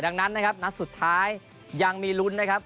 ดังนั้นนะครับนัดสุดท้ายยังมีลุ้นนะครับ